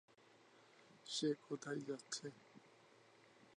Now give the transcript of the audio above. তার কোর্সের সফল সমাপ্তির পর তিনি বাংলাদেশে ফিরে এসেছিলেন।